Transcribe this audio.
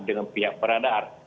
dengan pihak peradar